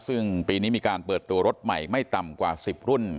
ซึ่งปีนี้มีการเปิดตัวรถใหม่ไม่ต่ำกว่า๑๐รุ่น